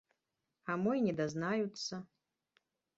А мо й не дазнаюцца?